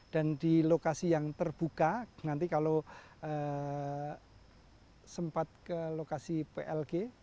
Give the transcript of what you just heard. dan di lokasi yang terbuka nanti kalau sempat ke lokasi plg